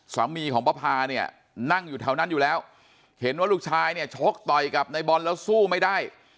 สามีของป้าพาเนี่ยนั่งอยู่แถวนั้นอยู่แล้วเห็นว่าลูกชายเนี่ยชกต่อยกับในบอลแล้วสู้ไม่ได้